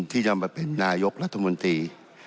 ที่จะมาเป็นนายกรัฐมนตรี